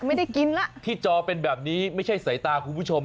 ไม่ได้กินแล้วที่จอเป็นแบบนี้ไม่ใช่สายตาคุณผู้ชม